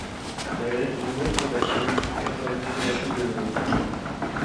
Malgré ses nombreuses tentatives, Castor-Gris refuse de le reprendre.